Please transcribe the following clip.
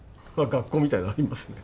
学校みたいのありますね。